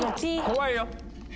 怖いよ。